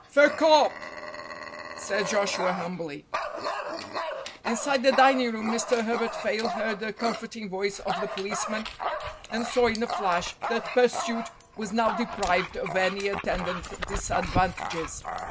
"Fair cop," said Joshua humbly. Inside the dining room Mr. Herbert Fayle heard the comforting voice of the policeman, and saw in a flash that pursuit was now deprived of any attendant disadvantages.